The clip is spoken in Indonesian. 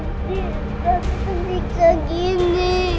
tante aku peniksa gini